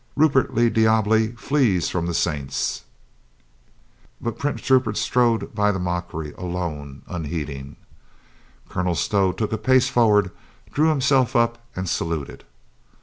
Rupert le Diable flees from the Saints !" But Prince Rupert strode by the mockery, alone, unheeding. Colonel Stow took a pace forward, drew himself up and saluted.